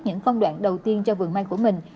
những công đoạn đầu tiên cho vườn may của mình